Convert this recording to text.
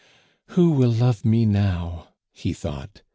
"Who will love me now?" he thought.